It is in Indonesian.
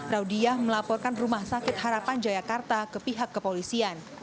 raudiah melaporkan rumah sakit harapan jayakarta ke pihak kepolisian